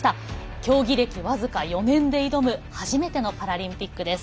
競技歴、僅か４年で挑む初めてのパラリンピックです。